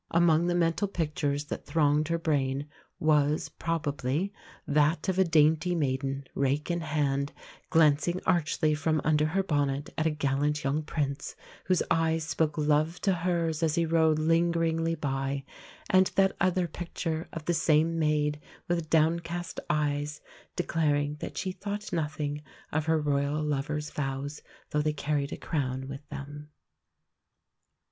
Among the mental pictures that thronged her brain was, probably, that of a dainty maiden, rake in hand, glancing archly from under her bonnet at a gallant young Prince, whose eyes spoke love to hers as he rode lingeringly by; and that other picture of the same maid, with downcast eyes, declaring that she "thought nothing" of her Royal lover's vows, though they carried a crown with them.